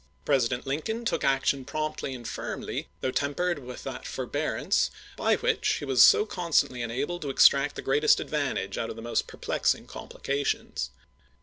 President Lincoln took action promptly MISSOURI 217 and firmly, thougli tempered with that forbearance chap, xl by which he was so constantly enabled to extract the greatest advantage out of the most perplex ing complications.